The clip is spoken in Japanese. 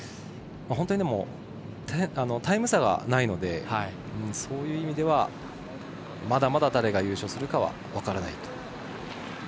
本当にタイム差がないのでそういう意味ではまだまだ誰が優勝するか分からないと。